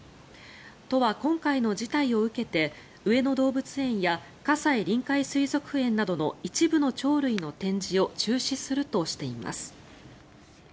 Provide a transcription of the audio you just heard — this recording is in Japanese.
都は今回の事態を受けて上野動物園や葛西臨海水族園などの一部の鳥類の展示を中止するとしています。